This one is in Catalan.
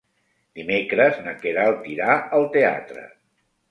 Dimecres na Queralt irà al teatre.